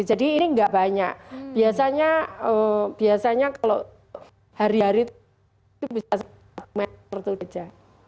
jadi ini nggak banyak biasanya kalau hari hari itu bisa satu meter kerja